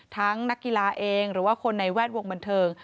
นักกีฬาเองหรือว่าคนในแวดวงบันเทิง